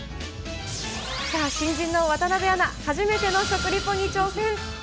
さあ、新人の渡邉アナ、初めての食リポに挑戦。